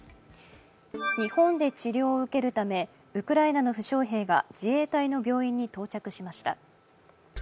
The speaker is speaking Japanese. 日本で治療を受けるためウクライナの負傷兵が、自衛隊の病院に到着しました。